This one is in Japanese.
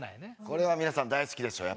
これは皆さん大好きでしょ